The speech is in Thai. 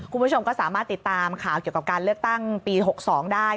คุณผู้ชมก็สามารถติดตามข่าวเกี่ยวกับการเลือกตั้งปี๖๒ได้